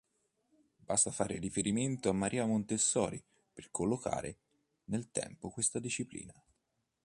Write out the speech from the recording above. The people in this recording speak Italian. Basta fare riferimento a Maria Montessori per collocare nel tempo questa disciplina.